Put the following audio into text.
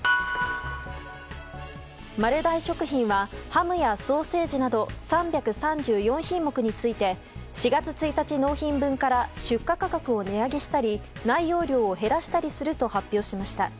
丸大食品はハムやソーセージなど３３４品目について４月１日納品分から出荷価格を値上げしたり内容量を減らしたりすると発表しました。